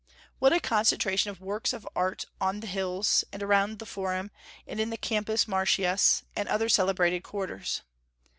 What a concentration of works of art on the hills, and around the Forum, and in the Campus Martius, and other celebrated quarters!